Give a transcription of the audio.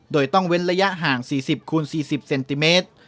โดยต้องเว้นระยะห่าง๔๐คูณ๔๐เซนติเมตร